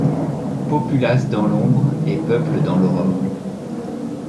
Populace dans l’ombre et peuple dans l’aurore ;